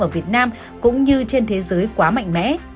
ở việt nam cũng như trên thế giới quá mạnh mẽ